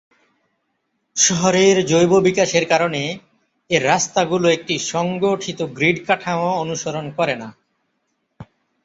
শহরের জৈব বিকাশের কারণে, এর রাস্তাগুলো একটি সংগঠিত গ্রিড কাঠামো অনুসরণ করে না।